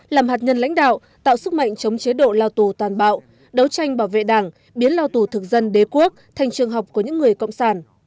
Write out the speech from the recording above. làm hạt nhân lãnh đạo tạo sức mạnh chống chế độ lao tù toàn bạo đấu tranh bảo vệ đảng biến lao tù thực dân đế quốc thành trường học của những người cộng sản